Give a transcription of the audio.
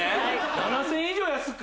７０００円以上安く？